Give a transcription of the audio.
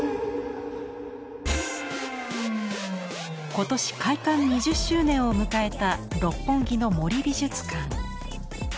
今年開館２０周年を迎えた六本木の森美術館。